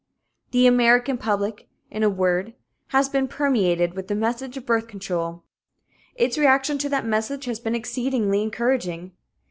The American public, in a word, has been permeated with the message of birth control. Its reaction to that message has been exceedingly encouraging.